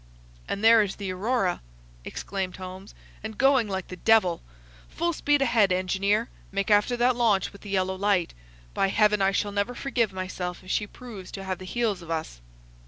"And there is the Aurora," exclaimed Holmes, "and going like the devil! Full speed ahead, engineer. Make after that launch with the yellow light. By heaven, I shall never forgive myself if she proves to have the heels of us!"